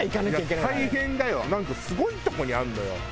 なんかすごいとこにあるのよ